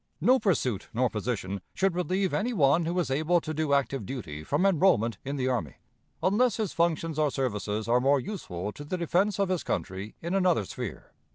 No pursuit nor position should relieve any one who is able to do active duty from enrollment in the army, unless his functions or services are more useful to the defense of his country in another sphere.